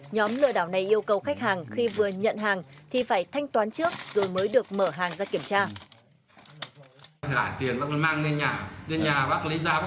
nhóm lừa đảo này yêu cầu khách hàng khi vừa nhận hàng thì phải thanh toán trước rồi mới được mở hàng ra kiểm tra